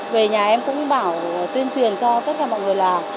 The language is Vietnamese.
về nhà em cũng bảo tuyên truyền cho tất cả mọi người là